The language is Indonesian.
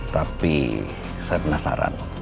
tapi saya penasaran